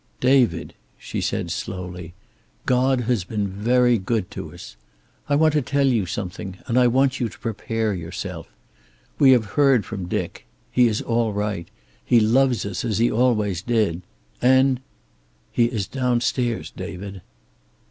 "David," she said slowly, "God has been very good to us. I want to tell you something, and I want you to prepare yourself. We have heard from Dick. He is all right. He loves us, as he always did. And he is downstairs, David."